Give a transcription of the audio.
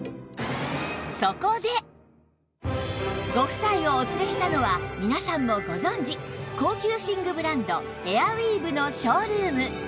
ご夫妻をお連れしたのは皆さんもご存じ高級寝具ブランドエアウィーヴのショールーム